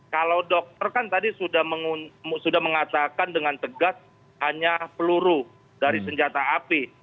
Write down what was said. kalau dokter kan tadi sudah mengatakan dengan tegas hanya peluru dari senjata api